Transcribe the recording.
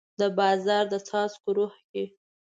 د باران د څاڅکو روح کې